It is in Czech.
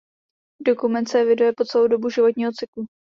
Dokument se eviduje po celou dobu životního cyklu.